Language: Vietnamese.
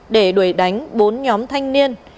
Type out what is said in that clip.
để đuổi đánh bốn nhóm thanh niên